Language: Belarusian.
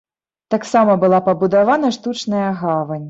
Таксама была пабудавана штучная гавань.